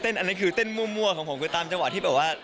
อันนั้นคือเต้นมั่วของผมคือตามจังหวะที่แบบว่า